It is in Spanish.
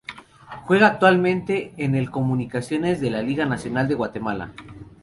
Juega actualmente en el Comunicaciones de la Liga Nacional de Guatemala.